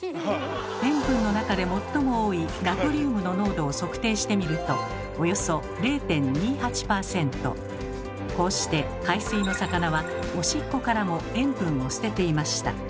塩分の中で最も多いナトリウムの濃度を測定してみるとこうして海水の魚はおしっこからも塩分を捨てていました。